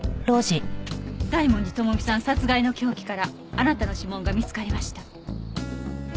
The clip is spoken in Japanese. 大文字智美さん殺害の凶器からあなたの指紋が見つかりました。